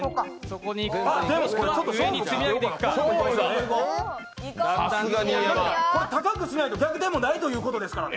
これ、高くしないと逆転もないってことですからね！